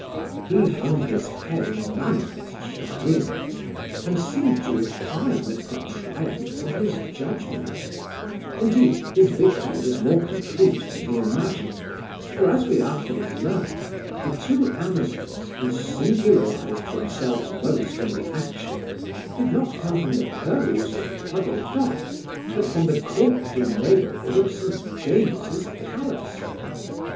He hung his head in manifest chagrin, and seemed to repine at the triumph of his judgment Indeed, his victory was more complete than he imagined; for, as we afterwards learned, the two amazons who singularized themselves most in the action, did not come from the purlieus of Puddle dock, but from the courtly neighbourhood of St James's palace.